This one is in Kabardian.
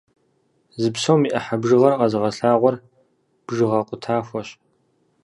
Зы псом и ӏыхьэ бжыгъэр къэзыгъэлъагъуэр бжыгъэ къутахуэщ.